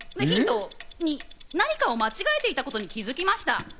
何かを間違えていたことに気づきました。